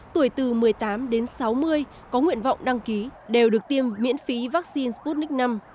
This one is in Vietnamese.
tuổi từ một mươi tám đến sáu mươi có nguyện vọng đăng ký đều được tiêm miễn phí vaccine sputnik v